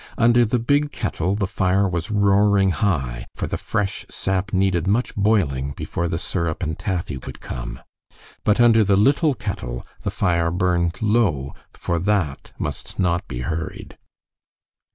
Under the big kettle the fire was roaring high, for the fresh sap needed much boiling before the syrup and taffy could come. But under the little kettle the fire burned low, for that must not be hurried.